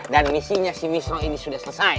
dan misinya si misro ini sudah selesai